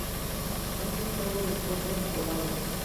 Es un nuevo deporte en Colombia.